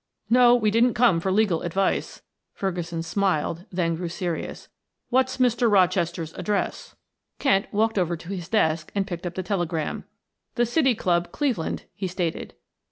"No, we didn't come for legal advice," Ferguson smiled; then grew serious. "What's Mr. Rochester's address?" Kent walked over to his desk and picked up the telegram. "The City Club, Cleveland," he stated.